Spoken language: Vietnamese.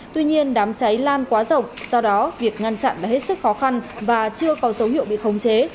tuy nhiên đám cháy lan quá rộng do đó việc ngăn chặn là hết sức khó khăn và chưa có dấu hiệu bị khống chế